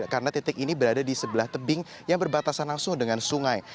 karena titik ini berada di sebelah tebing yang berbatasan langsung dengan sungai